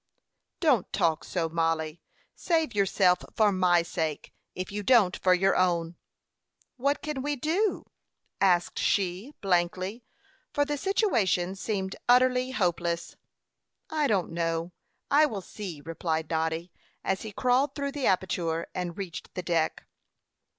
"Don't talk so, Mollie. Save yourself for my sake, if you don't for your own." "What can we do?" asked she, blankly, for the situation seemed utterly hopeless. "I don't know; I will see," replied Noddy, as he crawled through the aperture, and reached the deck.